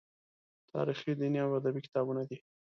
تاریخي، دیني او ادبي کتابونه دي.